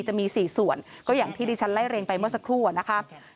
จะมี๔ส่วนก็อย่างที่ดิฉันไล่เรียงไปเมื่อสักครู่อะนะคะ